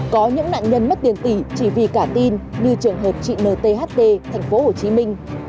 có những nạn nhân mất tiền tỷ chỉ vì cả tin như trường hợp chị ntht thành phố hồ chí minh